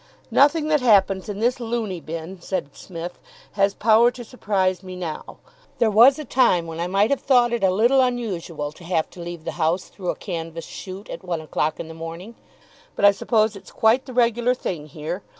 "Nothing that happens in this luny bin," said Psmith, "has power to surprise me now. There was a time when I might have thought it a little unusual to have to leave the house through a canvas shoot at one o'clock in the morning, but I suppose it's quite the regular thing here.